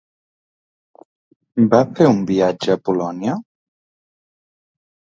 Va fer un viatge a Polònia?